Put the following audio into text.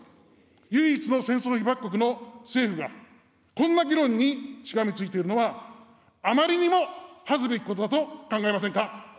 唯一の戦争被爆国の政府が、こんな議論にしがみついているのは、あまりにも恥ずべきことだと考えませんか。